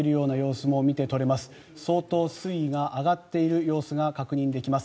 相当、水位が上がっている様子が確認できます。